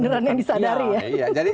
keblunderan yang disadari ya